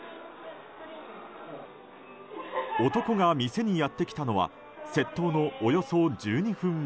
男が店にやってきたのは窃盗のおよそ１２分前。